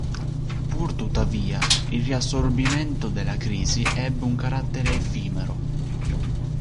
Purtuttavia il riassorbimento della crisi ebbe un carattere effimero.